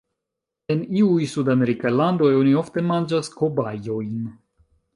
En iuj sudamerikaj landoj oni ofte manĝas kobajojn.